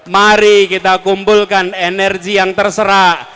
mari kita kumpulkan energi yang terserah